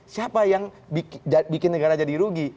siapa yang bikin negara jadi rugi